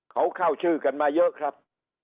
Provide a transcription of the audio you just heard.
เขาเข้าชื่อกันมาเยอะครับ